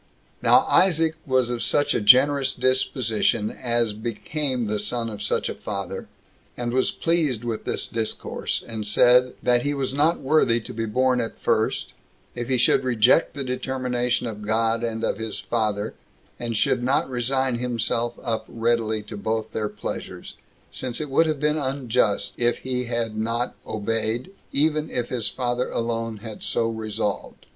4. Now Isaac was of such a generous disposition as became the son of such a father, and was pleased with this discourse; and said, "That he was not worthy to be born at first, if he should reject the determination of God and of his father, and should not resign himself up readily to both their pleasures; since it would have been unjust if he had not obeyed, even if his father alone had so resolved."